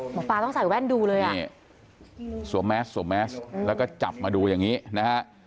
หมอปลาต้องใส่แว่นดูเลยอ่ะนี่สวมแมสสวมแมสแล้วก็จับมาดูอย่างนี้นะฮะ